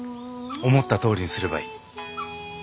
思ったとおりにすればいい。